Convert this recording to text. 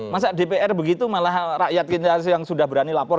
masa dpr begitu malah rakyat kita yang sudah berani lapor